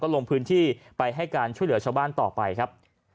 ลงพื้นที่ไปให้การช่วยเหลือชาวบ้านต่อไปครับ